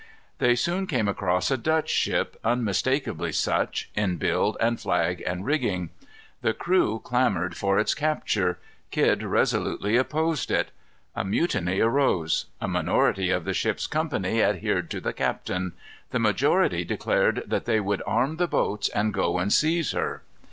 They soon came across a Dutch ship, unmistakably such, in build and flag and rigging. The crew clamored for its capture; Kidd resolutely opposed it. A mutiny arose. A minority of the ship's company adhered to the captain. The majority declared that they would arm the boats and go and seize her.